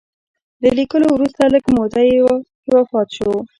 له لیکلو وروسته لږ موده کې وفات شو.